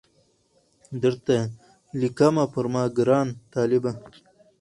درته لیکمه پر ما ګران طالبه